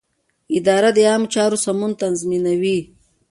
اداره د عامه چارو سمون تضمینوي.